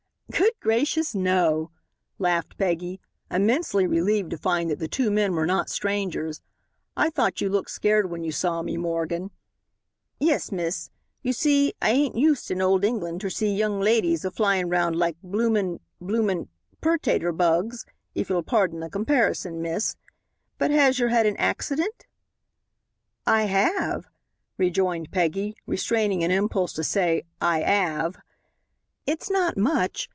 "Good gracious, no," laughed Peggy, immensely relieved to find that the two men were not strangers. "I thought you looked scared when you saw me, Morgan." "Yes, miss. You see, I haint used in hold England ter see young ledies a flyin' round like bloomin' bloomin' pertater bugs, hif you'll pardon the comparison, miss. But 'as yer 'ad han h'accident?" "I have," rejoined Peggy, restraining an impulse to say "I 'ave." "It's not much.